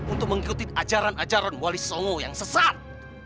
untuk mengikuti ajaran ajaran wali songo yang sesat